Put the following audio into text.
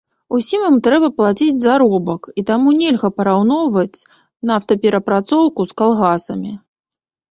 Усім ім трэба плаціць заробак, і таму нельга параўноўваць нафтаперапрацоўку з калгасамі.